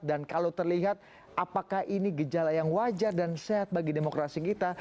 dan kalau terlihat apakah ini gejala yang wajar dan sehat bagi demokrasi kita